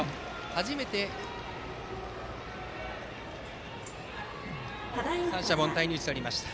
初めて三者凡退に打ち取りました。